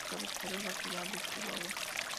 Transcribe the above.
Su cabecera es la ciudad de Chihuahua.